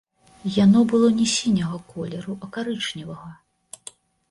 Яно было не сіняга колеру, а карычневага.